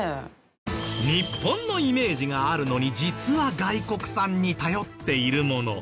日本のイメージがあるのに実は外国産に頼っているもの